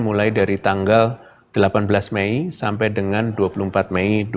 mulai dari tanggal delapan belas mei sampai dengan dua puluh empat mei dua ribu dua puluh